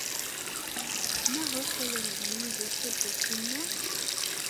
Maɣef ay yerẓem Yidir tawwurt-inna?